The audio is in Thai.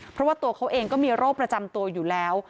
เพราะว่าตัวเขาเองก็มีโรคประจำตัวอยู่แล้ว